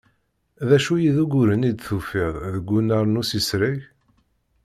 D acu i d uguren i d-tufiḍ deg unnar n usizreg?